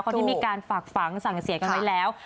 เขาได้มีการฝากฝังสั่งเสียกันไว้แล้ว